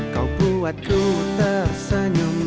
kau buat ku tersenyum